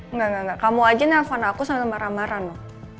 enggak enggak enggak kamu aja yang nelfon aku sambil marah marah no